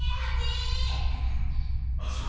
あそこだ！